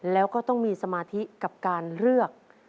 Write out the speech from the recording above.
แล้วก็ต้องมีสมาธิกับการเลือก